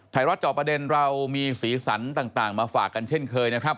จอประเด็นเรามีสีสันต่างมาฝากกันเช่นเคยนะครับ